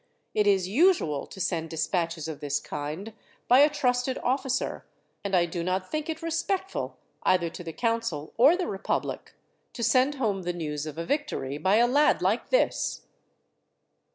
"It is usual to send despatches of this kind by a trusted officer, and I do not think it respectful, either to the council or the republic, to send home the news of a victory by a lad like this."